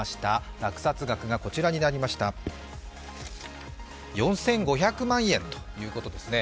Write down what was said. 落札額がこちらになりました、４５００万円ということですね。